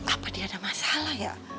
apa dia ada masalah ya